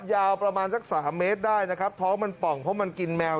ยาวประมาณสักสามเมตรได้นะครับท้องมันป่องเพราะมันกินแมว